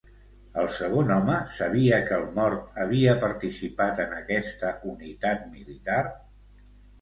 El segon home sabia que el mort havia participat en aquesta unitat militar?